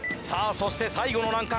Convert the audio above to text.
そして最後の難関